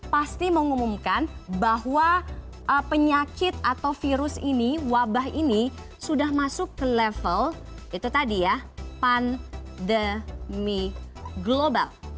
pasti mengumumkan bahwa penyakit atau virus ini wabah ini sudah masuk ke level itu tadi ya pandemi global